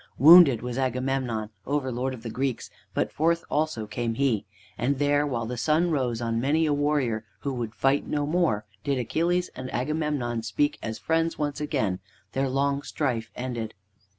Wounded was Agamemnon, overlord of the Greeks, but forth also came he. And there, while the sun rose on many a warrior who would fight no more, did Achilles and Agamemnon speak as friends once again, their long strife ended.